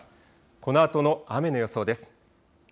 このあとの雨の予想です。